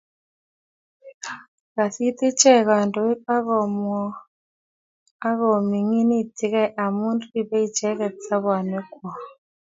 Okasit ichek kandoiik akominginityige amu ripei icheket sobonwekwok